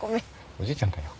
おじいちゃんかよ。